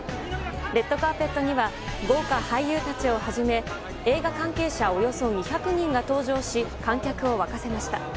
レッドカーペットには豪華俳優たちをはじめ映画関係者およそ２００人が登場し、観客を沸かせました。